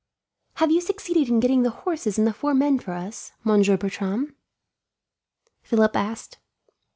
"Have you succeeded in getting the horses and the four men for us, Monsieur Bertram?" Philip asked.